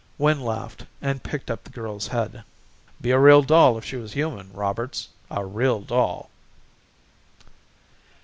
Wynn laughed and picked up the girl's head. "Be a real doll if she was human, Roberts, a real doll."